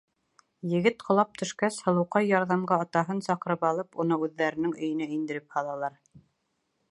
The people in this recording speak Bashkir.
Егет ҡолап төшкәс, һылыуҡай ярҙамға атаһын саҡырып алып уны үҙҙәренең өйөнә индереп һалалар.